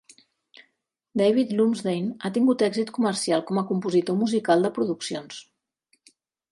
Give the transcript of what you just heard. David Lumsdaine ha tingut èxit comercial com a compositor musical de produccions.